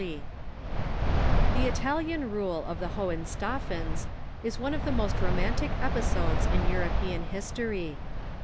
] The Italian rule of the Hohenstaufens is one of the most romantic episodes in European history.